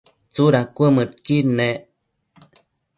tsuda cuëmëdqui nec?